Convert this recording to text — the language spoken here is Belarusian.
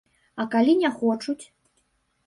А калі не хочуць?